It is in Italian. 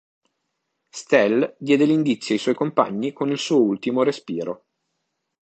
Stel diede l'indizio ai suoi compagni con il suo ultimo respiro.